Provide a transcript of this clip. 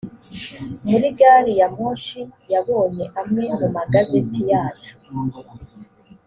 muri gari ya moshi yabonye amwe mu magazeti yacu